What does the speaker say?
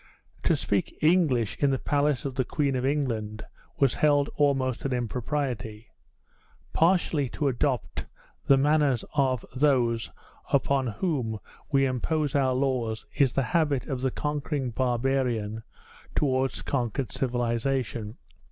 To speak English in the palace of the Queen of England was held almost an impropriety. Partially to adopt the manners of those upon whom we impose our laws is the habit of the conquering barbarian towards conquered civilization.